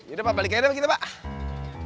udah pak balik aja kita pak